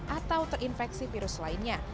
atau terinfeksi virus lainnya